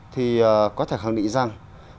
thì có thể khẳng định rằng